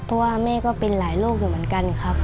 เพราะว่าแม่ก็เป็นหลายโรคอยู่เหมือนกันครับ